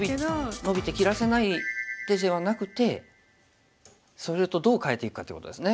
ノビて切らせない手ではなくてそれとどう代えていくかっていうことですね。